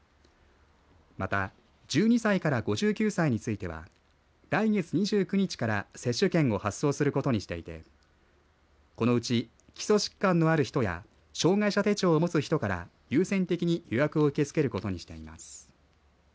また１２歳から５９歳については来月２９日から接種券を発送することにしていてこのうち、基礎疾患のある人や障害者手帳をもつ人から優先的に予約を受け付けることにしています。